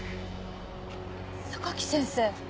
榊先生。